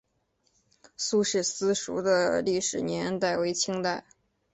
苏氏私塾的历史年代为清代。